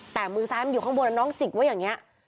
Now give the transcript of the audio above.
แต่มือซ้ายมันอยู่ข้างบนแล้วน้องจิกไว้อย่างนี้